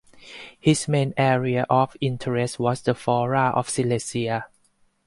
His main area of interest was the flora of Silesia.